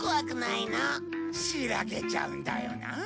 しらけちゃうんだよな。